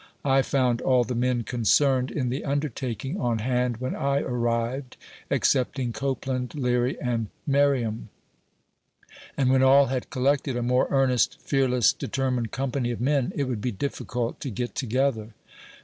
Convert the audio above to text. I found all the men concerned in the undertaking on hand when I arrived, excepting Copeland, Leary, and Merri am ; and when all had collected, a more earnest, fearless, de termined company of men it would be difficult to get together.